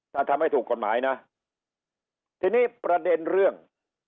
ถ้าทำให้ถูกกฎหมายนะทีนี้ประเด็นเรื่อง